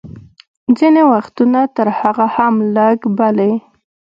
ځینې وختونه تر هغه هم لږ، بلې.